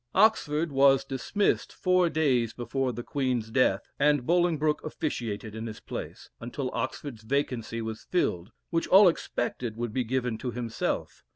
Oxford was dismissed four days before the Queen's death, and Bolingbroke officiated in his place, until Oxford's vacancy was filled, which all expected would be given to himself.